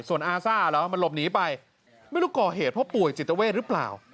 ส่วนอาซ่าเหรอมันหลบหนีไปไม่รู้ก่อเหตุเพราะป่วยจิตเวทหรือเปล่า